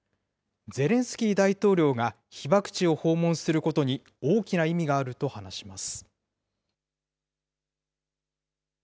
ゼレンスキー大統領が被爆地を訪問することに大きな意味があると話します。